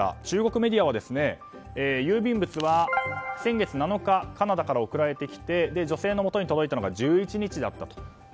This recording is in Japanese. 中国メディアは郵便物は先月７日カナダから送られてきて女性のもとに届いたのが１１日だった。